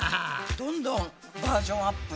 どんどんバージョンアップ。